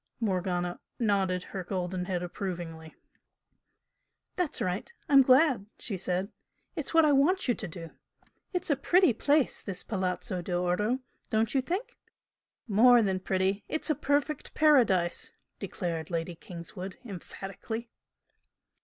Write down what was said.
Morgana nodded her golden head approvingly. "That's right! I'm glad!" she said. "That's what I want you to do! It's a pretty place, this Palazzo d'Oro, don't you think?" "More than pretty it's a perfect paradise!" declared Lady Kingswood, emphatically.